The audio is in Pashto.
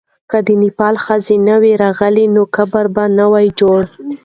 که د نېپال ښځې نه وای راغلې، نو قبر به نه وو جوړ.